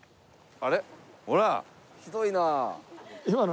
あれ？